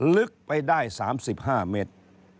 ลึกไปได้๓๕เมตร